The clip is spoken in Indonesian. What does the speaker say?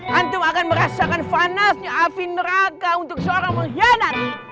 hantum akan merasakan panasnya api neraka untuk seorang mengkhianati